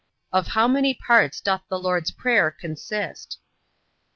Of how many parts doth the Lord's prayer consist?